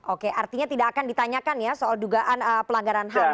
oke artinya tidak akan ditanyakan ya soal dugaan pelanggaran ham